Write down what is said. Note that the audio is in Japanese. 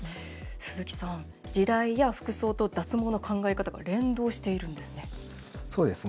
鈴木さん時代や服装と脱毛の考え方連動しているんですね。